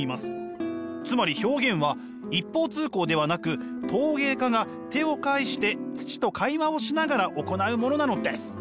つまり表現は一方通行ではなく陶芸家が手を介して土と会話をしながら行うものなのです。